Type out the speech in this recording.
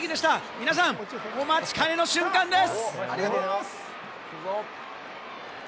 皆さん、お待ちかねの瞬間です！